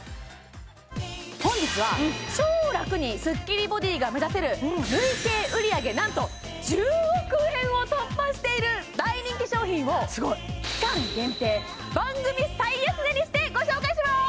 本日は超ラクにスッキリボディが目指せる累計売上何と１０億円を突破している大人気商品をすごい期間限定番組最安値にしてご紹介します！